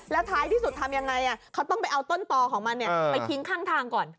แล้วท้ายที่สุดทำยังไงเขาต้องไปเอาต้นตอของมันไปทิ้งข้างทางก่อน